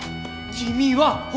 君は？